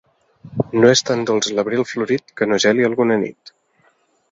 No és tan dolç l'abril florit que no geli alguna nit.